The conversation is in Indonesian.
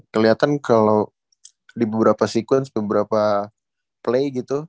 kelihatan kalau di beberapa sekuens beberapa play gitu